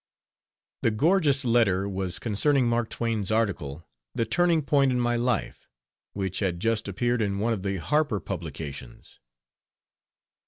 The "gorgeous letter" was concerning Mark Twain's article, "The Turning point in My Life" which had just appeared in one of the Harper publications.